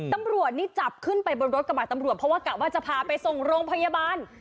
ตำรวจนี่จับขึ้นไปบนรถกระบาดตำรวจเพราะว่ากะว่าจะพาไปส่งโรงพยาบาล